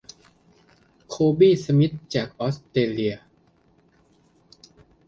โคบี้ สมิธ จากออสเตรเลีย